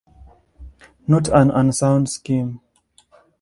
Not an unsound scheme.